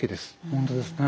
本当ですね。